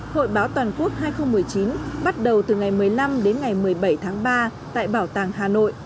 hội báo toàn quốc hai nghìn một mươi chín bắt đầu từ ngày một mươi năm đến ngày một mươi bảy tháng ba tại bảo tàng hà nội